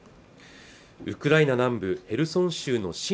ウクライナ南部ヘルソン州の親